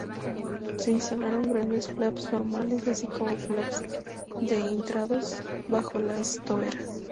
Se instalaron grandes flaps normales, así como flaps de intradós bajo las toberas.